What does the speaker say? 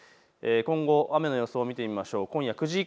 今後、雨の予想を見てみましょう。